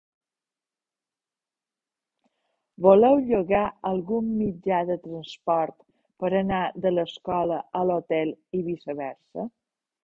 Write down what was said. Voleu llogar algun mitjà de transport per anar de l'escola a l'hotel i viceversa?